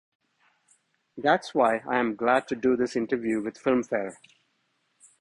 That's why I am glad to do this interview with Filmfare.